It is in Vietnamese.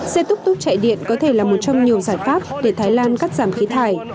xe túc túc chạy điện có thể là một trong nhiều giải pháp để thái lan cắt giảm khí thải